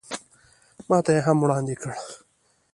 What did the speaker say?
ماته یې هم وړاندې کړ.